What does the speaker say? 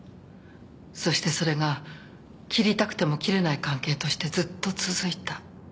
そしてそれが切りたくても切れない関係としてずっと続いた。